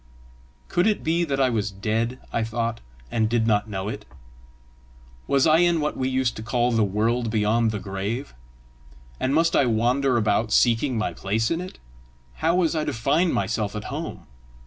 Could it be that I was dead, I thought, and did not know it? Was I in what we used to call the world beyond the grave? and must I wander about seeking my place in it? How was I to find myself at home?